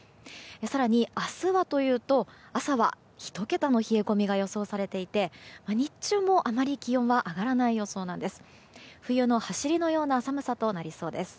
更に明日はというと、朝は１桁の冷え込みが予想されていて日中もあまり気温は上がらないよそうなんです。